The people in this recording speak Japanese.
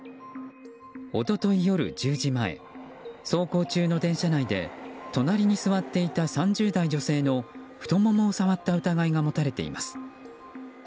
一昨日夜１０時前走行中の電車内で隣に座っていた３０代女性の太ももを触った疑いが持たれています。